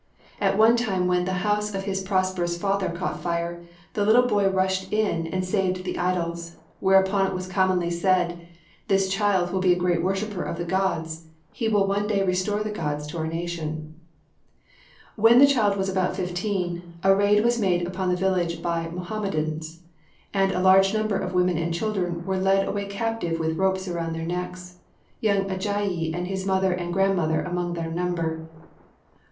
At one time when the house of his prosperous father caught fire, the little boy rushed in and saved the idols. Whereupon it was commonly said, "This child will be a great worshiper of the gods; he will one day restore the gods to our nation." When the child was about fifteen, a raid was made upon the village by Mohammedans, and a large number of women and children were led away captive with ropes around their necks, young Ajayi and his mother and grandmother among the number.